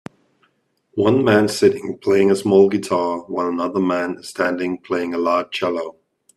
one man sitting playing a small guitar while another man is standing playing a large chello